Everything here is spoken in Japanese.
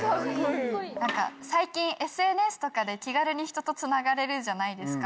最近ＳＮＳとかで気軽に人とつながれるじゃないですか。